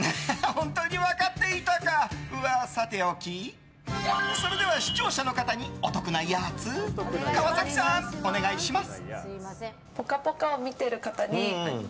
本当に分かっていたかはさておきそれでは視聴者の方にお得なやつ川崎さん、お願いします。